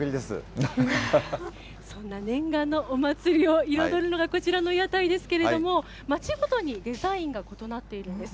そんな念願のお祭りを彩るのがこちらの屋台ですけれども、町ごとにデザインが異なっているんです。